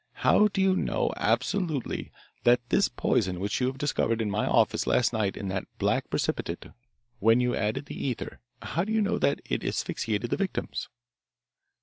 How do you know absolutely that this poison which you discovered in my office last night in that black precipitate when you added the ether how do you know that it asphyxiated the victims?"